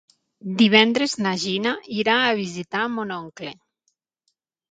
Divendres na Gina irà a visitar mon oncle.